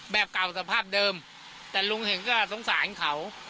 แบบเก่าสภาพเดิมแต่ลุงเห็นก็สงสารเขา